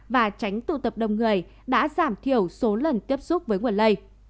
và tránh tụ tập đông người đã giảm thiểu số lần tiếp xúc với nguồn lây